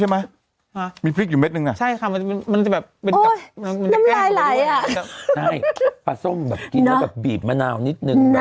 ใช่ค่ะมันจะแบบอุ๊ยน้ำรายไหล่ใช่นะครับที่มันกินแล้วแบบบีบมะนาวนิดนึงแหละ